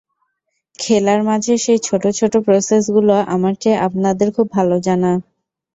খেলার মাঝের সেই ছোট ছোট প্রসেসগুলো আমার চেয়ে আপনাদের খুব ভালো জানা।